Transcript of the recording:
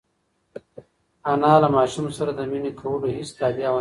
انا له ماشوم سره د مینې کولو هېڅ تابیا نهلري.